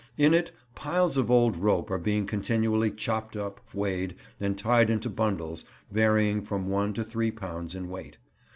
In it piles of old rope are being continually chopped up, weighed, and tied into bundles varying from one to three pounds in weight.